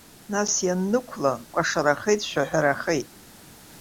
Нас, ианнықәла, кәашарахеит, шәаҳәарахеит.